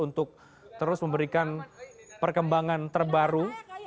untuk terus memberikan perkembangan terbaru